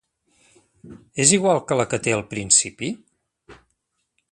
És igual que la que té al principi?